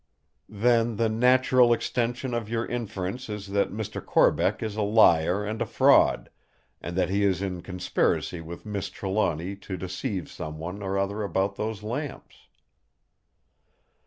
"Then the natural extension of your inference is that Mr. Corbeck is a liar and a fraud; and that he is in conspiracy with Miss Trelawny to deceive someone or other about those lamps."